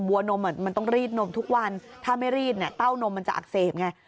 วนมมันต้องรีดนมทุกวันถ้าไม่รีดเนี่ยเต้านมมันจะอักเสบไง